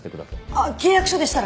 あっ契約書でしたら。